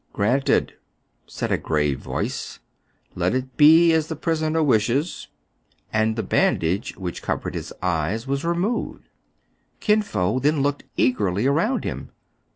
" Granted," said a grave voice. " Let it be as the prisoner wishes." And the bandage which covered his eyes was removed. Kin Fo then looked eagerly around him.